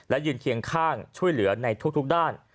ยืนเคียงข้างช่วยเหลือในทุกด้าน